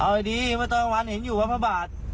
เอาดีไม่ต้องอันวันเห็นอยู่พระบาท